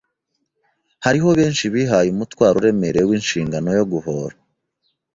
Hariho benshi bihaye umutwaro uremereye w’inshingano yo guhora